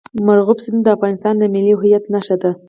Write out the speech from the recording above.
مورغاب سیند د افغانستان د ملي هویت نښه ده.